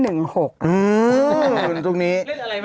อืมตรงนี้